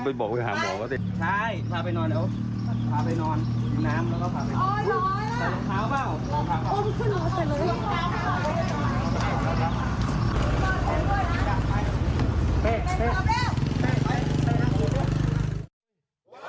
ใส่รองเท้าเปล่าพาไปนอน